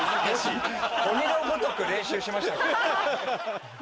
鬼のごとく練習しましたから。